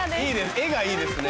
絵がいいですね。